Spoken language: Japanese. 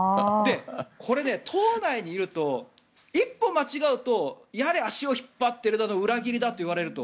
これ、党内にいると一歩間違うとやれ、足を引っ張ってる裏切りだと言われると。